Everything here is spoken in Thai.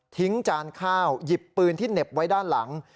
จานข้าวหยิบปืนที่เหน็บไว้ด้านหลัง